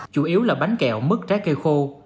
chủ yếu là bánh kẹo mứt trái cây khô